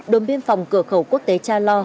đồn biên phòng cửa khẩu quốc tế cha lo